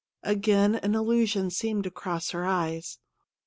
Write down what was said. Again an illusion seemed to cross her eyes.